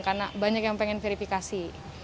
karena banyak yang pengen verifikasi